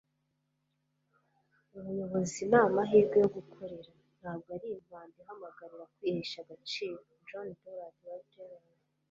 ubuyobozi ni amahirwe yo gukorera. ntabwo ari impanda ihamagarira kwihesha agaciro. - j. donald walters